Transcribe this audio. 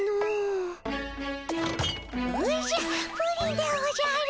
おじゃプリンでおじゃる。